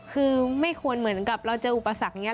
คือไม่ควรเหมือนกับเราเจออุปสรรคอย่างนี้